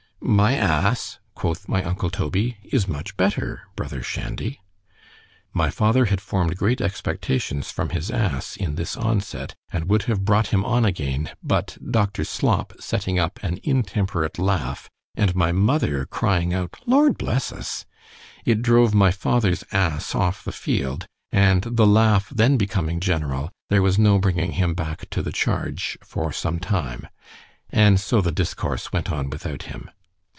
_ My A—e, quoth my uncle Toby, is much better—brother Shandy—My father had formed great expectations from his Asse in this onset; and would have brought him on again; but doctor Slop setting up an intemperate laugh—and my mother crying out L— bless us!—it drove my father's Asse off the field—and the laugh then becoming general—there was no bringing him back to the charge, for some time—— And so the discourse went on without him.